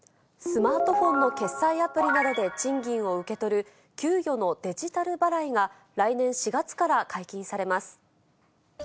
スマートフォンの決済アプリなどで賃金を受け取る、給与のデジタル払いが来年４月から解禁されます。